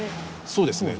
そうですね。